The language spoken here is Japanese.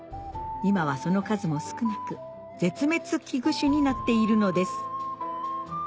今はその数も少なく絶滅危惧種になっているのです